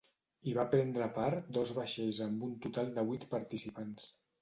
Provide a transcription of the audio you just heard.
Hi va prendre part dos vaixells amb un total de vuit participants.